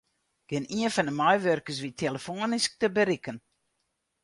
Gjinien fan de meiwurkers wie telefoanysk te berikken.